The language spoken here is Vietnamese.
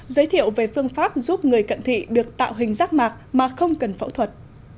giới thiệu về phương pháp giúp người cận thị được tạo hình rác mạc mà không cần phẫu thuật